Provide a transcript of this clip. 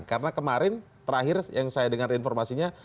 karena kemarin terakhir yang saya dengar informasinya